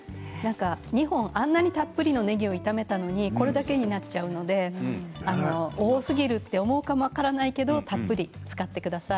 ２本のあんなにたっぷりのねぎを炒めたのにこれだけになっちゃうので多すぎると思うかも分からないけど、たっぷり使ってください。